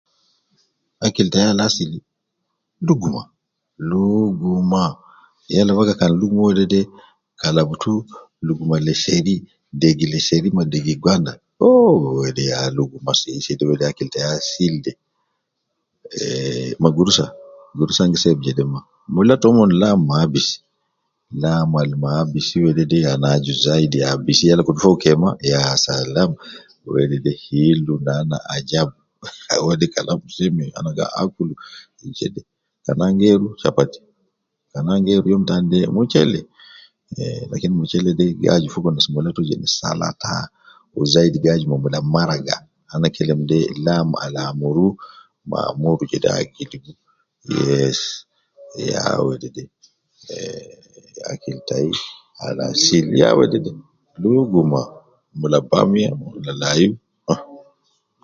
Akil tayi Al asli luguma, lugumaa yala baga luguma wedede kan kalbatu luguma degi leserif ma degi gwanda ya akili tayi Al asil me gurusa ana gi seb jede maa Mula toumon ya lam maabisi wede aboso yala kutu faga keima wedede ya seme naana ana gi akulu kan ana geeru chapati kan ana geeru Michele lakin Michele de aju mula